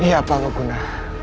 iya pak mukuna